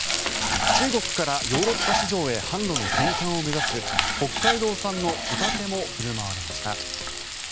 中国からヨーロッパ市場へ販路の転換を目指す北海道産のホタテも振る舞われました。